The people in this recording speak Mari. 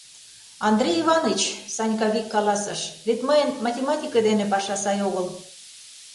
— Андрей Иваныч, — Санька вик каласыш, — вет мыйын математике дене паша сай огыл.